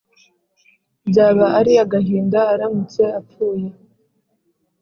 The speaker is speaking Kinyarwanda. Byaba ari agahinda aramutse apfuye